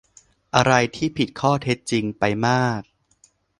อะไรที่ผิดข้อเท็จจริงไปมาก